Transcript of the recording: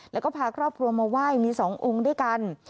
แล้วก็พาครอบครัวมาไหว้มี๒องค์ด้วยกัน